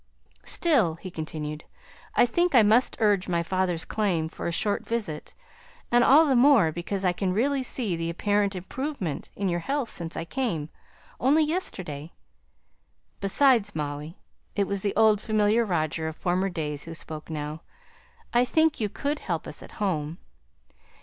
"Still," he continued, "I think I must urge my father's claim for a short visit, and all the more, because I can really see the apparent improvement in your health since I came, only yesterday. Besides, Molly," it was the old familiar Roger of former days who spoke now, "I think you could help us at home.